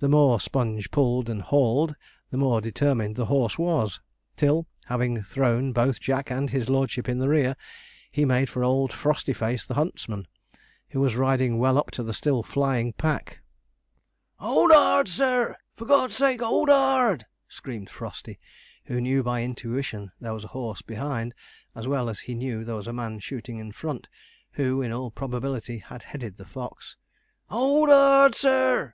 The more Sponge pulled and hauled, the more determined the horse was; till, having thrown both Jack and his lordship in the rear, he made for old Frostyface, the huntsman, who was riding well up to the still flying pack. 'HOLD HARD, sir! For God's sake, hold hard!' screamed Frosty, who knew by intuition there was a horse behind, as well as he knew there was a man shooting in front, who, in all probability, had headed the fox. 'HOLD HARD, sir!'